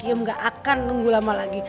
dia gak akan nunggu lama lagi